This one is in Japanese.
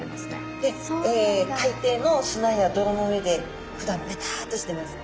で海底の砂や泥の上でふだんベタッとしてます。